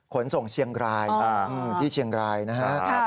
ขนส่งเชียงรายที่เชียงรายนะฮะ